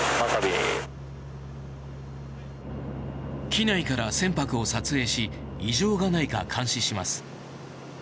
機内から船舶を撮影し異常がないか監視します。